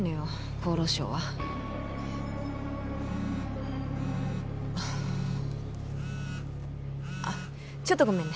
厚労省はあっあっちょっとごめんね